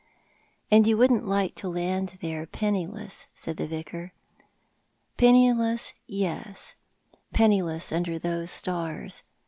" And you wouldn't like to land there penniless,"' said tlie Vicar. Penniless, yes — penniless under those stars.